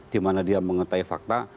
di mana dia mengetahui fakta